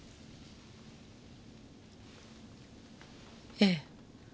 ええ。